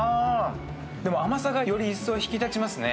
でも甘さがよりいっそう引き立ちますね。